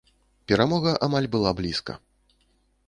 Перамога амаль была блізка.